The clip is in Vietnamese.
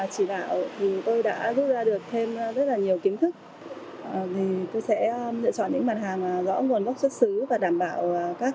thì tôi cũng mới ra đây để kinh doanh nên là có nhiều quy định thì tôi chưa ngắm được rõ